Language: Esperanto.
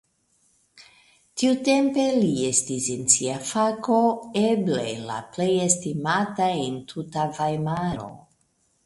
Tiutempe li estis en sia fako eble la plej estimata en tuta Vajmaro.